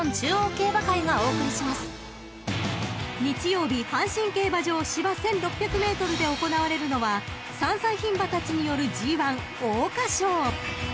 ［日曜日阪神競馬場芝１，６００ｍで行われるのは３歳牝馬たちによるＧⅠ桜花賞］